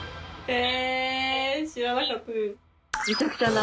え？